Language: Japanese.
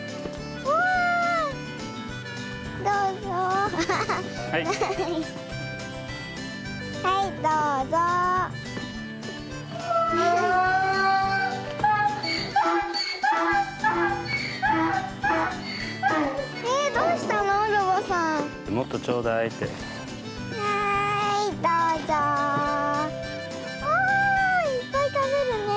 おおいっぱいたべるねえ。